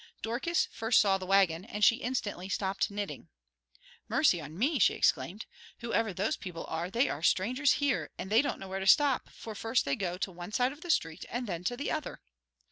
Dorcas first saw the wagon, and she instantly stopped knitting. "Mercy on me!" she exclaimed. "Whoever those people are, they are strangers here, and they don't know where to stop, for they first go to one side of the street and then to the other."